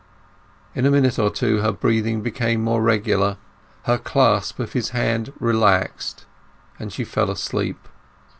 In a minute or two her breathing became more regular, her clasp of his hand relaxed, and she fell asleep.